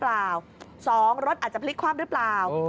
อาจจะพลิกความหรือเปล่า